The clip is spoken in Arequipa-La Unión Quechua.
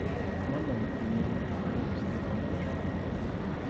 Manam kunankamapas tupanichu.